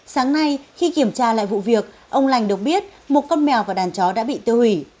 sáng nay khi kiểm tra lại vụ việc ông lành được biết một con mèo và đàn chó đã bị tiêu hủy